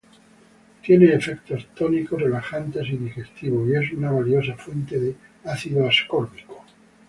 Tiene efectos tónicos, relajantes y digestivos y es una valiosa fuente de ácido ascórbico.